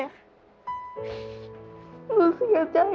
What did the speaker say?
หนูเสียใจ